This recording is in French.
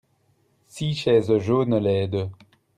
six chaises jaunes laides.